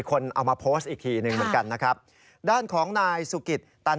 ก็พาผู้ศึกข่าวไปดูกล้องวงจรปิดในร้าน